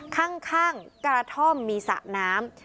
ข้างกระท่อมมีสระน้ำ